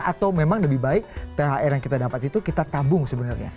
atau memang lebih baik thr yang kita dapat itu kita tabung sebenarnya